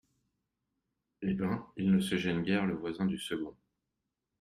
Eh ben, il ne se gêne guère, le voisin du second !